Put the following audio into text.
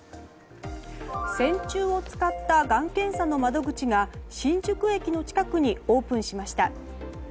線虫を使ったがん検査の窓口が新宿駅の近くにオープンしました。